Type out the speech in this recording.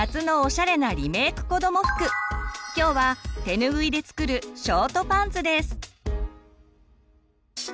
今日はてぬぐいで作る「ショートパンツ」です。